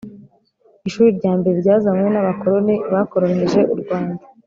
ishuri rya mbere ryazanywe na bakoloni bakoronije u rwanda